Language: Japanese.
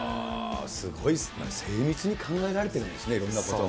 すごい精密に考えられてるんですね、いろんなことが。